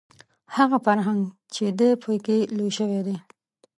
هغه فرهنګ چې دی په کې لوی شوی دی